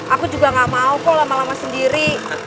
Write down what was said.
aku juga gak mau kok lama lama sendiri